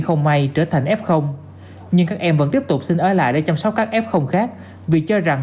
cao may trở thành f nhưng các em vẫn tiếp tục sinh ở lại đây chăm sóc các f khác vì cho rằng